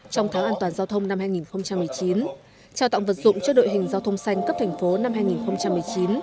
trong tháng an toàn giao thông năm hai nghìn một mươi chín trao tặng vật dụng cho đội hình giao thông xanh cấp thành phố năm hai nghìn một mươi chín